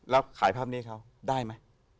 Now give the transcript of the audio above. แล้วขายภาพนี้เขาได้ไหม